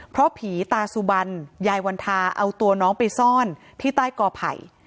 เพราะผีตาสุบันยายวันทาเอาตัวน้องไปซ่อนที่ใต้กอไผ่